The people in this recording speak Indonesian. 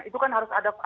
itu kan harus ada review